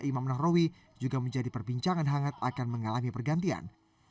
imam nahrawi juga menjadi perbincangan hangat akan mengalami pergantian